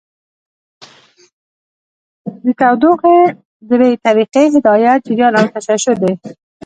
د تودوخې درې طریقې هدایت، جریان او تشعشع دي.